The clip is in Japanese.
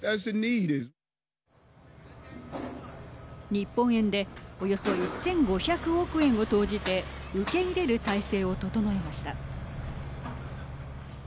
日本円でおよそ１５００億円を投じて受け入れる態勢を整えました。